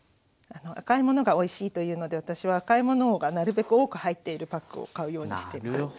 赤いものがおいしいというので私は赤いものがなるべく多く入っているパックを買うようにしてます。